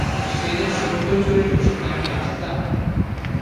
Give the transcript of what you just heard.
সে যে সত্যই চলিল সে কি আমি জানিতাম!